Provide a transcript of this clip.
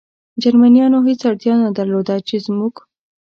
جرمنیانو هېڅ اړتیا نه درلوده، چې زموږ.